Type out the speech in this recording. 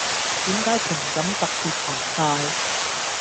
點解情感特別澎湃⠀